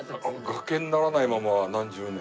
崖にならないまま何十年。